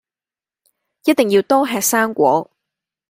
一定要多吃生菓